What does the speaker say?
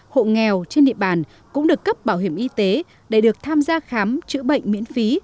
hộ nghèo trên địa bàn cũng được cấp bảo hiểm y tế để được tham gia khám chữa bệnh miễn phí